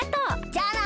じゃあな。